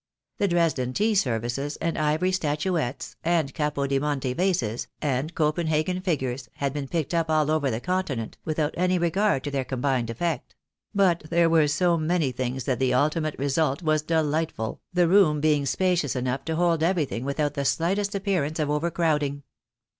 The Dresden tea services and ivory statu ettes, and capo di monte vases, and Copenhagen figures, had been picked up all over the Continent, without any regard to their combined effect; but there were so many things that the ultimate result was delightful, the room being spacious enough to hold everything without the slightest appearance of over crowding.